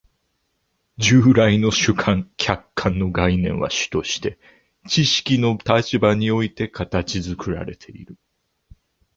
従来の主観・客観の概念は主として知識の立場において形作られている。